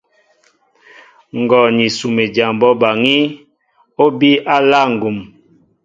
Ngɔ ni Sumedyaŋ bɔ́ baŋí , ó bíy á aláá ŋgum.